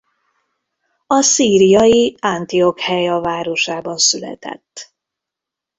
A szíriai Antiokheia városában született.